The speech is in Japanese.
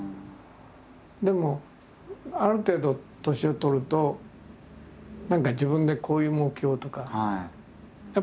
でもある程度年を取ると何か自分でこういう目標とか。